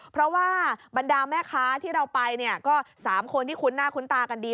เพราะว่าบรรดาแม่ค้าที่เราไปเนี่ยก็๓คนที่คุ้นหน้าคุ้นตากันดี